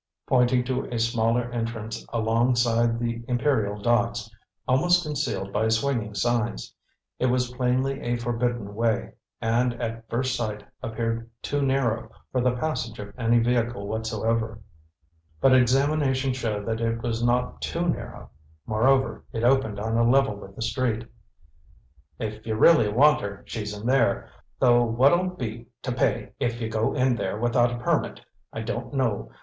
pointing to a smaller entrance alongside the Imperial docks, almost concealed by swinging signs. It was plainly a forbidden way, and at first sight appeared too narrow for the passage of any vehicle whatsoever. But examination showed that it was not too narrow; moreover, it opened on a level with the street. "If you really want her, she's in there, though what'll be to pay if you go in there without a permit, I don't know.